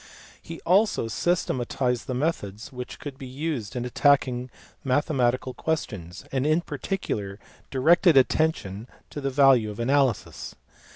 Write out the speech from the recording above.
He also systematized the methods which could be used in attacking mathematical questions, and in particular directed attention to the value of analysis.